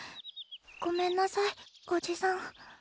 ごめんなさいおじさん。